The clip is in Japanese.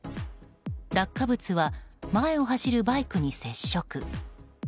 落下物は前を走るバイクに接触。